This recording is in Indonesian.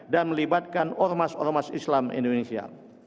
dan melibatkan ormas ormas islam indonesia